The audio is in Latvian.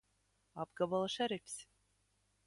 Apgabala šerifs!